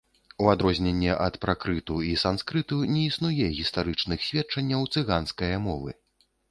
У адрозненне ад пракрыту і санскрыту, не існуе гістарычных сведчанняў цыганскае мовы.